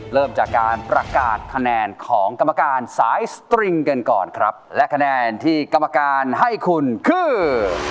เริ่มจากการประกาศคะแนนของกรรมการสายสตริงกันก่อนครับและคะแนนที่กรรมการให้คุณคือ